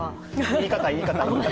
言い方、言い方！